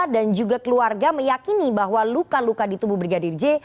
dan juga keluarga meyakini bahwa luka luka di tubuh brigadir j